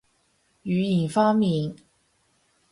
語言方面